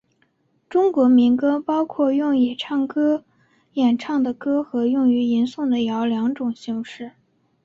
中国民歌包括用以演唱的歌和用于吟诵的谣两种形式。